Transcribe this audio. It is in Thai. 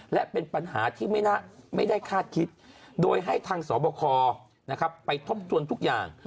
และเป็นปัญหาที่ไม่ได้คาดคิดโดยให้ทางสบคไปทบทวนทุกอย่าง